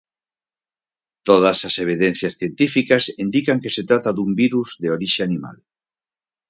"Todas as evidencias científicas indican que se trata dun virus de orixe animal".